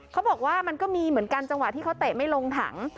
เขาบอกว่ามันก็มีเหมือนกันจังหวะที่เขาเตะไม่ลงถัง